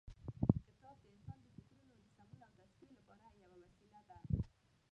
کتاب د انسان د فکرونو د سمون او تصفیې لپاره یوه وسیله ده.